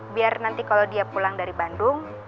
biar nanti kalau dia pulang dari bandung